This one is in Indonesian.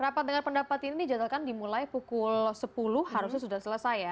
rapat dengan pendapat ini dijadwalkan dimulai pukul sepuluh harusnya sudah selesai ya